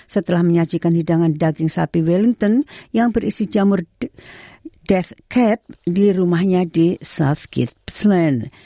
setelah menyajikan hidangan daging sapi wellington yang berisi jamur desk cap di rumahnya di soft kitsland